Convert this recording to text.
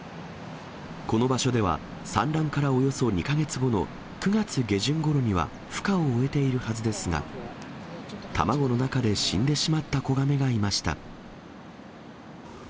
この場所では産卵からおよそ２か月後の９月下旬ごろにはふ化を終えているはずですが、卵の中で死んでしまった子ガメがいました。